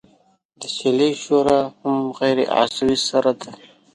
د چیلې شوره هم غیر عضوي سره ده.